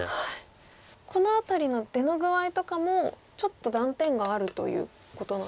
この辺りの出の具合とかもちょっと断点があるということなんですか。